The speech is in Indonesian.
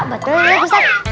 betul ya ustadz